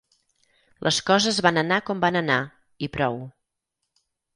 Les coses van anar com van anar, i prou.